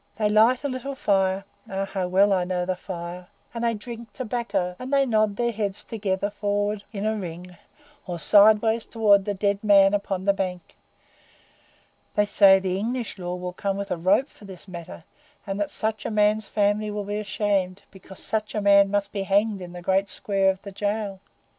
They light a little fire ah! how well I know that fire! and they drink tobacco, and they nod their heads together forward in a ring, or sideways toward the dead man upon the bank. They say the English Law will come with a rope for this matter, and that such a man's family will be ashamed, because such a man must be hanged in the great square of the Jail.